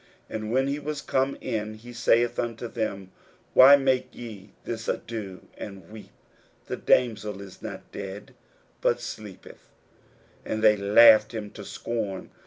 41:005:039 And when he was come in, he saith unto them, Why make ye this ado, and weep? the damsel is not dead, but sleepeth. 41:005:040 And they laughed him to scorn.